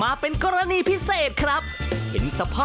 เข็นทุกวันค่ะ